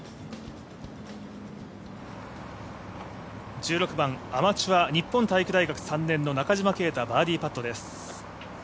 １６番、アマチュア日本体育大学の中島啓太、バーディーパットです。